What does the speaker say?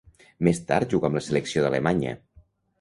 Més tard jugà amb la selecció d'Alemanya.